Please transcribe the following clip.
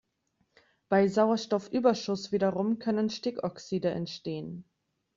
Bei Sauerstoffüberschuss wiederum können Stickoxide entstehen.